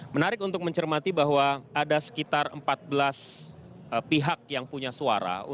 menarik untuk mencermati bahwa ada sekitar empat belas pihak yang punya suara